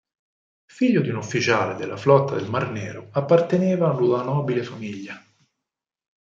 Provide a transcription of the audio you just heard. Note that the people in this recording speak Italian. Figlio di un ufficiale della Flotta del Mar Nero apparteneva ad una nobile famiglia.